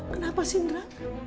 kenapa sih indra